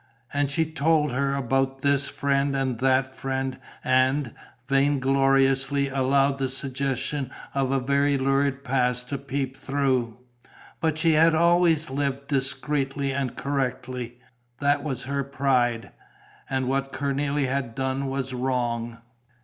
And she told her about this friend and that friend and, vain gloriously, allowed the suggestion of a very lurid past to peep through. But she had always lived discreetly and correctly. That was her pride. And what Cornélie had done was wrong....